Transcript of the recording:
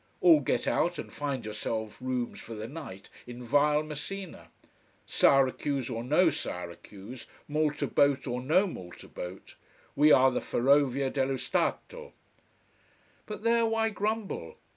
All get out and find yourselves rooms for the night in vile Messina. Syracuse or no Syracuse, Malta boat or no Malta boat. We are the Ferrovia dello Stato. But there, why grumble.